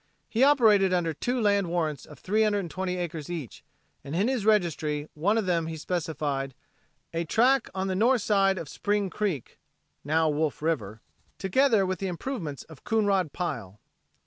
He operated under two land warrants of 320 acres each, and in his registry of one of them he specified "a tract on the north side of Spring Creek (now Wolf River), together with the improvements of Coonrod Pile."